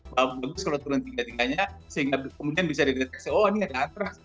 bagus kalau turun tiga tiganya sehingga kemudian bisa dideteksi oh ini ada antras